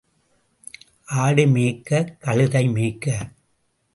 ஆடு மேய்க்க, கழுதை மேய்க்க.